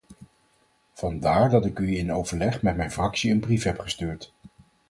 Vandaar dat ik u in overleg met mijn fractie een brief heb gestuurd.